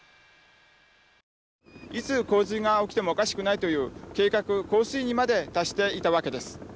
いつ洪水が起きてもおかしくないという計画高水位にまで達していたわけです。